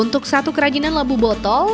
untuk satu kerajinan labu botol